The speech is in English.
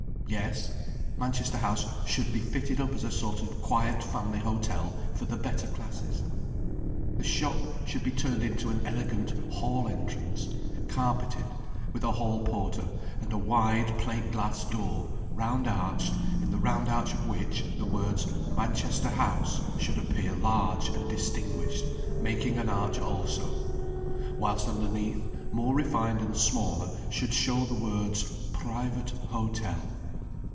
Yes, Manchester House should be fitted up as a sort of quiet family hotel for the better classes. The shop should be turned into an elegant hall entrance, carpeted, with a hall porter and a wide plate glass door, round arched, in the round arch of which the words: "Manchester House" should appear large and distinguished, making an arch also, whilst underneath, more refined and smaller, should show the words: "Private Hotel."